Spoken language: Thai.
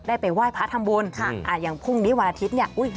ไปไหว้พระทำบุญค่ะอ่าอย่างพรุ่งนี้วันอาทิตย์เนี่ยอุ้ย